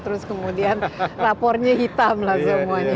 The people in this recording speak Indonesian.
terus kemudian rapornya hitam lah semuanya